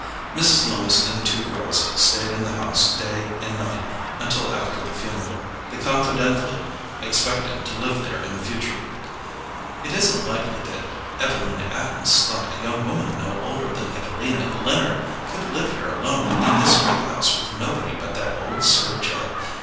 Mrs. Loomis and the two girls stayed in the house day and night until after the funeral. They confidently expected to live there in the future. "It isn't likely that Evelina Adams thought a young woman no older than Evelina Leonard could live here alone in this great house with nobody but that old Sarah Judd.